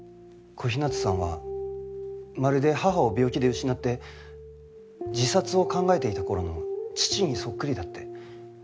小日向さんはまるで母を病気で失って自殺を考えていた頃の父にそっくりだって。